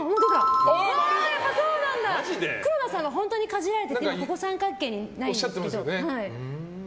黒田さんは本当にかじられて三角形にないんですけど。